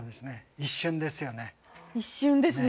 一瞬ですよね。